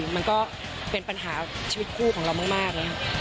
มันก็เป็นปัญหาชีวิตคู่ของเรามาก